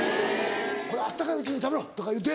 「これ温かいうちに食べろ」とか言うて。